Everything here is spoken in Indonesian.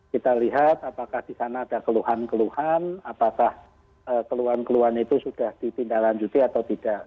kita lihat apakah di sana ada keluhan keluhan apakah keluhan keluhan itu sudah ditindaklanjuti atau tidak